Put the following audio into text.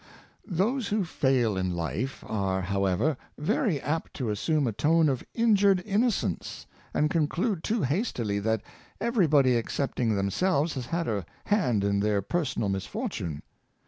Those who fail in life are, however, very apt to as sume a tone of injured innocence, and conclude too hastily that everybody excepting themselves has had a hand in their personal misfortune.